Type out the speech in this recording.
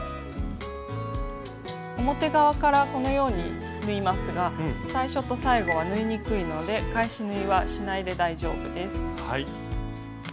表側からこのように縫いますが最初と最後は縫いにくいので返し縫いはしないで大丈夫です。